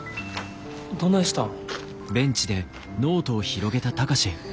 どないしたん。